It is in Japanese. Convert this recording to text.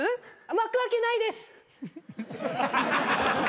巻くわけないです。